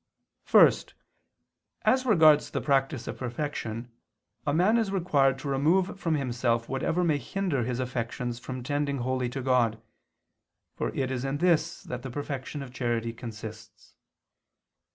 First, as regards the practice of perfection a man is required to remove from himself whatever may hinder his affections from tending wholly to God, for it is in this that the perfection of charity consists.